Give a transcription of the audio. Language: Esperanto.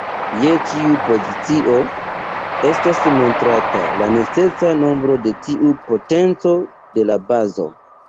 Je ĉiu pozicio, estas montrata la necesa nombro de tiu potenco de la bazo.